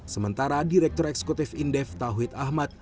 sementara direktur eksekutif indef tauhid ahmad